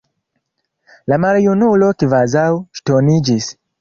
La maljunulo kvazaŭ ŝtoniĝis.